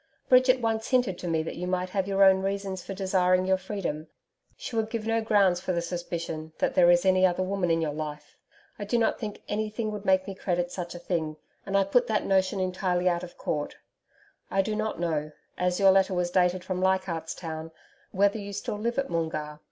Bridget once hinted to me that you might have your own reasons for desiring your freedom. She would give no grounds for the suspicion that there is any other woman in your life. I do not think anything would make me credit such a thing and I put that notion entirely out of court. I do not know as your letter was dated from Leichardt's Town whether you still live at Moongarr.